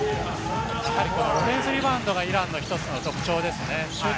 オフェンスリバウンドはイランの一つの特徴です。